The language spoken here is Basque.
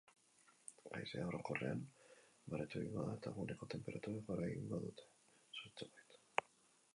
Haizea orokorrean baretu egingo da eta eguneko tenperaturek gora egingo dute zertxobait.